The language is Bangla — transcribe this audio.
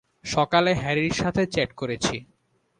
সকালে, হ্যারির সাথে চ্যাট করেছি।